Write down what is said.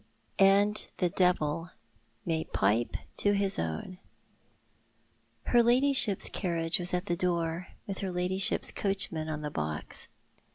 "and the devil may pipe to his own." Her ladyship's carriage was at the door, with her ladyship's coachman on the box.